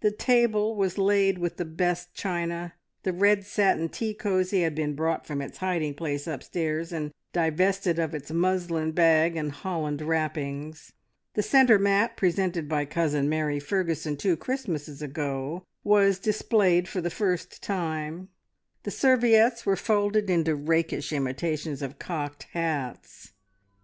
The table was laid with the best china, the red satin tea cosy had been brought from its hiding place upstairs and divested of its muslin bag and holland wrappings; the centre mat presented by Cousin Mary Ferguson two Christmases ago was displayed for the first time; the serviettes were folded into rakish imitations of cocked hats.